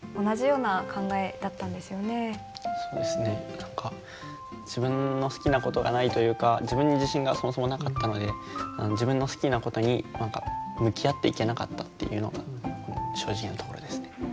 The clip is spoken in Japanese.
何か自分の好きなことがないというか自分に自信がそもそもなかったので自分の好きなことに向き合っていけなかったっていうのが正直なところですね。